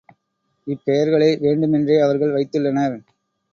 இப் பெயர்களை வேண்டுமென்றே அவர்கள் வைத்துள்ளனர்.